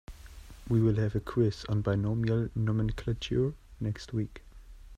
We will have a quiz on binomial nomenclature next week.